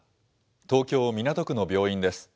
東京・港区の病院です。